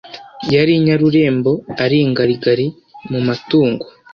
yari inyarurembo, ari ingarigari mu matungo